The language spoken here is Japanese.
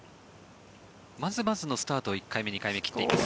まずまずのスタートを１回目、２回目は切っています。